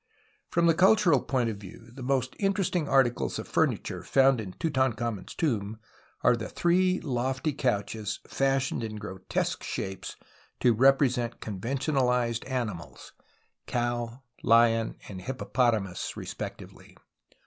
From the cultural point of view the most interesting articles of furniture found in Tutankhamen's tomb are the three lofty couches fashioned in grotesque shapes to represent conventionalized animals, cow, lion, and hippopotamus respectively.